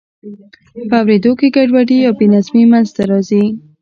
په اوریدو کې ګډوډي یا بې نظمي منځ ته راځي.